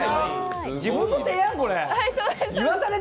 自分の提案、これ？